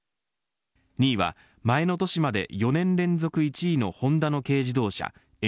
２位は前の年まで４年連続１位のホンダの軽自動車